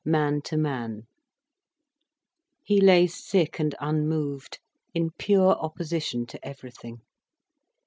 MAN TO MAN He lay sick and unmoved, in pure opposition to everything.